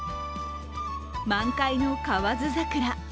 満開の河津桜。